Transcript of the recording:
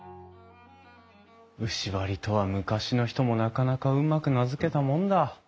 牛梁とは昔の人もなかなかうまく名付けたもんだ。